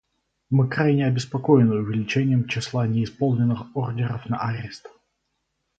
Мы крайне обеспокоены увеличением числа неисполненных ордеров на арест.